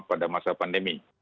pada masa pandemi